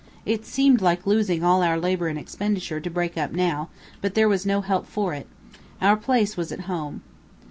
It seemed like losing all our labor and expenditure, to break up now, but there was no help for it. Our place was at home.